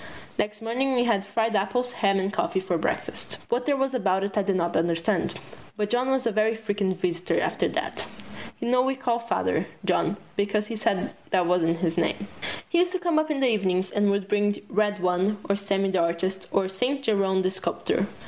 Next morning we had fried apples, ham and coffee for breakfast. What there was about it I did not understand, but John was a very frequent visitor after that. You know we called Father, John, because he said that wasn't his name. He used to come up in the evening and would bring the Red One or Sammy the Artist or Saint Jerome the Sculptor.